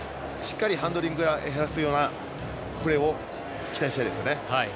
しっかりハンドリングを減らすようなプレーを期待したいですね。